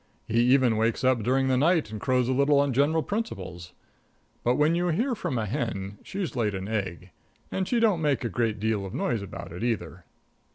He even wakes up during the night and crows a little on general principles. But when you hear from a hen, she's laid an egg, and she don't make a great deal of noise about it, either.